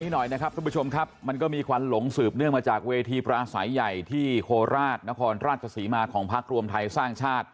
หน่อยนะครับทุกผู้ชมครับมันก็มีควันหลงสืบเนื่องมาจากเวทีปราศัยใหญ่ที่โคราชนครราชศรีมาของพักรวมไทยสร้างชาติ